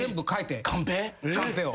カンペを。